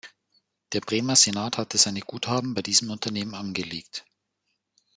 Der Bremer Senat hatte seine Guthaben bei diesem Unternehmen angelegt.